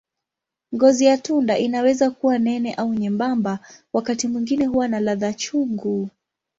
Ngozi ya tunda inaweza kuwa nene au nyembamba, wakati mwingine huwa na ladha chungu.